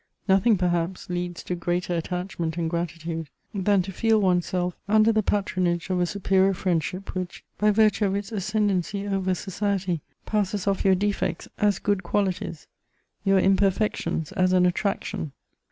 Nothing, perhaps, leads to greater attachment and gratitude than to feel one's self under the patronage of a superior friendship which, by virtue of its ascendancy over society, passes off your defects as good qualities, your imperfections as an attraction.